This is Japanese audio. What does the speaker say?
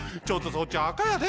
そっちあかやで。